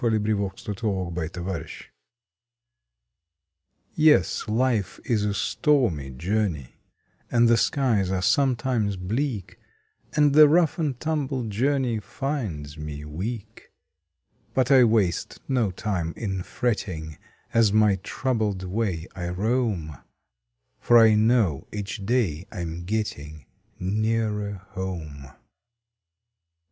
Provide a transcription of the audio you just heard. May Twenty third THE HOMEWARD WAY V/"ES, life is a stormy journey, And the skies are sometimes bleak, And the rough and tumble journey Finds me weak. But I waste no time in fretting As my troubled way I roam, For I know each day I m getting Nearer home!